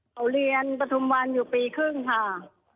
เขาเรียนปฐุมวันอยู่ปีครึ่งค่ะ